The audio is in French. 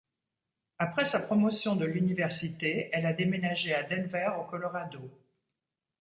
Après sa promotion de l'université, elle a déménagé à Denver au Colorado.